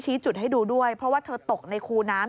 โดดลงรถหรือยังไงครับ